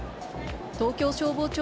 東京消防庁